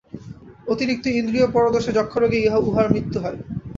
অতিরিক্ত ইন্দ্রিয়পরদোষে যক্ষ্মারোগে ইঁহার মৃত্যু হয়।